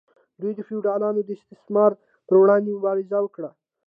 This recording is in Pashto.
دوی د فیوډالانو د استثمار پر وړاندې مبارزه وکړه.